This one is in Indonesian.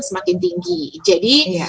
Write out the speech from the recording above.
semakin tinggi jadi